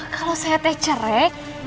kalau saya teteh cerai